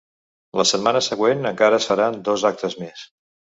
La setmana següent encara es faran dos actes més.